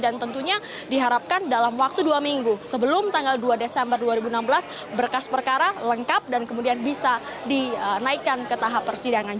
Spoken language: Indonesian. dan tentunya diharapkan dalam waktu dua minggu sebelum tanggal dua desember dua ribu enam belas berkas perkara lengkap dan kemudian bisa dinaikkan ke tahap persidangan